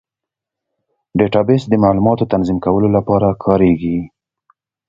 ډیټابیس د معلوماتو تنظیم کولو لپاره کارېږي.